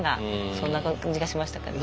そんな感じがしましたけどね。